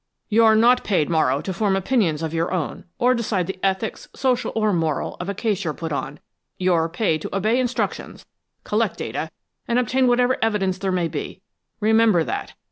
"You're not paid, Morrow, to form opinions of your own, or decide the ethics, social or moral, of a case you're put on; you're paid to obey instructions, collect data and obtain whatever evidence there may be. Remember that.